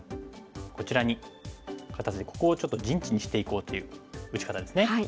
こちらに肩ツイてここをちょっと陣地にしていこうという打ち方ですね。